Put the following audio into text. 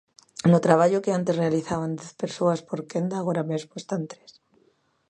No traballo que antes realizaban dez persoas por quenda agora mesmo están tres.